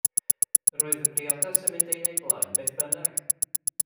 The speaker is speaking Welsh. Yr oedd y briodas yn mynd yn ei blaen beth bynnag.